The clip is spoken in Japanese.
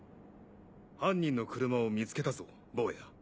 犯人の車を見つけたぞ坊や。